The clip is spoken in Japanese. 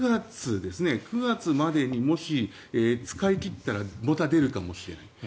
９月までにもし、使い切ったらまた出るかもしれない。